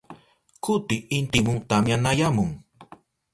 Kuti intimun tamyanayamun.